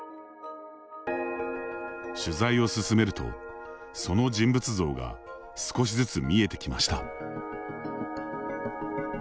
取材を進めるとその人物像が少しずつ見えてきました。